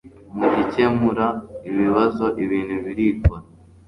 mugikemura ibibazo ibintu birikora